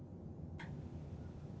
えっ？